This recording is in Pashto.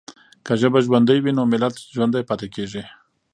که ژبه ژوندۍ وي نو ملت ژوندی پاتې کېږي.